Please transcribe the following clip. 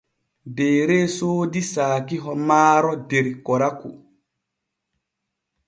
Deere soodi saakiho maaro der Koraku.